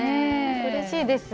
うれしいです。